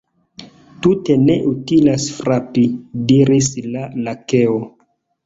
"Tute ne utilas frapi," diris la Lakeo.